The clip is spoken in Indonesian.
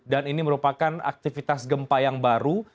dan ini merupakan aktivitas gempa yang baru